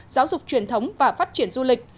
giáo dục truyền thống và phát triển du lịch